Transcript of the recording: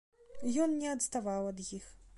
Ён не адставаў ад іх.